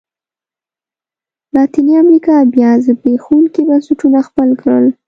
لاتینې امریکا بیا زبېښونکي بنسټونه خپل کړل.